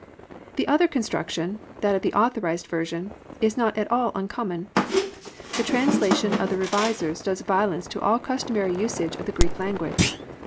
The other construction, that of the Authorised Version, is not at all uncommon. The translation of the Revisers does violence to all customary usage of the Greek language.